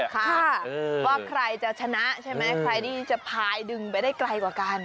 ค่ะว่าใครจะชนะใช่ไหมใครที่จะพายดึงไปได้ไกลกว่ากัน